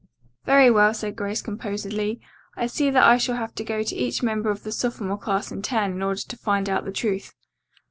"] "Very well," said Grace composedly. "I see that I shall have to go to each member of the sophomore class in turn in order to find out the truth.